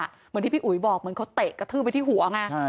เหมือนที่พี่อุ๋ยบอกเหมือนเขาเตะกระทืบไปที่หัวไง